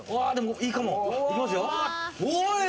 いいかも！